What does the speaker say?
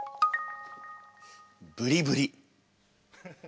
「ブリブリ」。